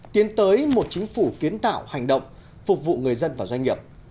tiến tới một chính phủ kiến tạo hành động phục vụ người dân và doanh nghiệp